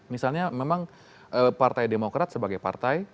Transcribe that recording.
misalnya memang partai demokrat sebagai partai